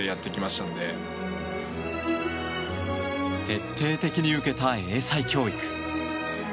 徹底的に受けた英才教育。